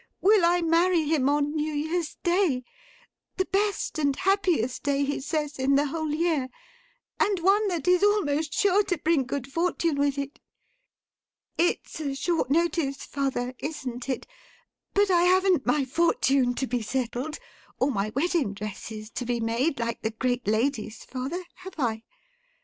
—will I marry him on New Year's Day; the best and happiest day, he says, in the whole year, and one that is almost sure to bring good fortune with it. It's a short notice, father—isn't it?—but I haven't my fortune to be settled, or my wedding dresses to be made, like the great ladies, father, have I?